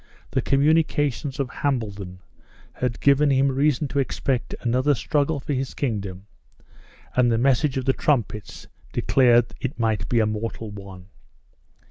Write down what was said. The communications of Hambledon had given him reason to expect another struggle for his kingdom, and the message of the trumpets declared it might be a mortal one.